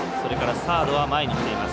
サードは前に来ています。